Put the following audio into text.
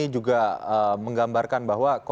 ya terima kasih mas